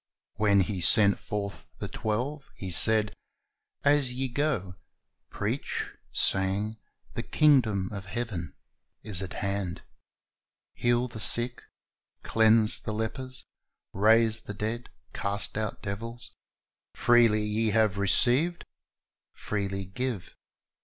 When He sent forth the twelve, He said, "As ye go, preach, saying, The kingdom of heaven is at hand. Heal the sick, cleanse the lepers, raise the dead, cast out devils: freely ye have received, freely give."'